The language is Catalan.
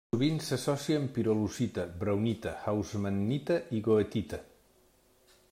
Sovint s'associa amb pirolusita, braunita, hausmannita i goethita.